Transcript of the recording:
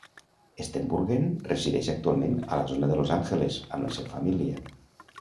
Steenburgen resideix actualment a la zona de Los Angeles amb la seva família.